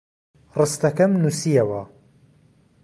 ڕستەکەم نووسییەوە.